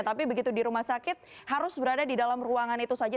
tapi begitu di rumah sakit harus berada di dalam ruangan itu saja